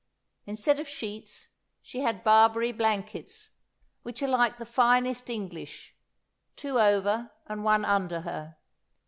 Instead of sheets, she had Barbary blankets, which are like the finest English, two over and one under her.